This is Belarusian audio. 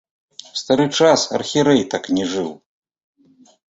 У стары час архірэй так не жыў.